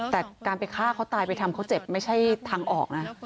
แต่การไปฆ่าเขาตายไปทำเขาเจ็บไม่ใช่ทางออกนะ